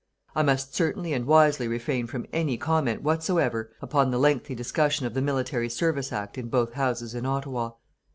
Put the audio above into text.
I must certainly and wisely refrain from any comment whatsoever upon the lengthy discussion of the Military Service Act in both Houses in Ottawa.